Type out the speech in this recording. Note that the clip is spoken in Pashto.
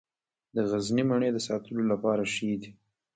د غزني مڼې د ساتلو لپاره ښې دي.